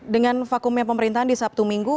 dengan vakumnya pemerintahan di sabtu minggu